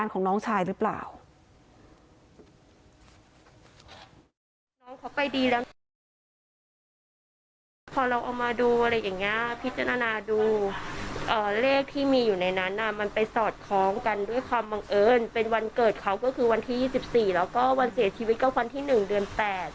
พอดูเลขที่มีอยู่ในนั้นน่ะมันไปสอดคล้องกันด้วยความบังเอิญเป็นวันเกิดเขาก็คือวันที่๒๔แล้วก็วันเสียชีวิตก็วันที่๑เดือน๘